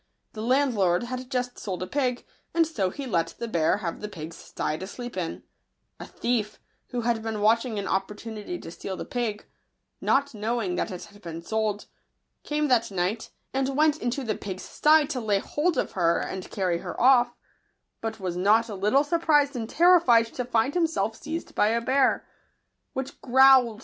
The landlord had just sold a pig, and so he let the bear have the pig's sty to sleep in, A thief, who had been watch ing an opportunity to steal the pig, not knowing that it had been sold, came that night, and went into the pig's sty to lay hold of her and carry her off; but was not a little surprised and terrified to find himself seized by a bear, which growled > i ^ ffvi u '■ f.